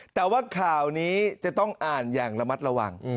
แต่ว่าข่าวนี้จะต้องอ่านอย่างระมัดระวัง